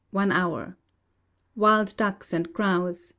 1 0 Wild ducks, and grouse